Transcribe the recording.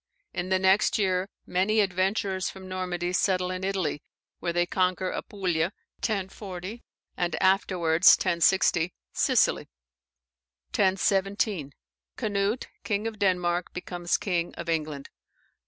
In the next year many adventurers from Normandy settle in Italy, where they conquer Apulia (1040), and afterwards (1060) Sicily. 1017. Canute, king of Denmark, becomes king of England.